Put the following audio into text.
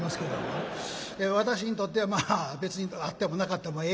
私にとっては別にあってもなかったもええ